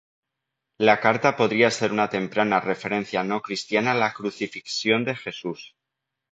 La carta podría ser una temprana referencia no cristiana a la crucifixión de Jesús.